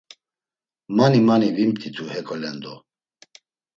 Mani mani vimt̆itu hekolendo.